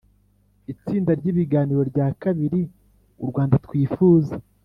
Itsinda ry Ibiganiro rya kabiri U Rwanda Twifuza